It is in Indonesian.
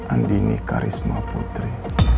andini karisma putri